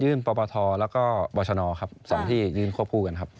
ปปทแล้วก็บชนครับ๒ที่ยื่นควบคู่กันครับ